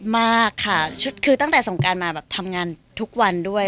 มากค่ะคือตั้งแต่สงการมาแบบทำงานทุกวันด้วย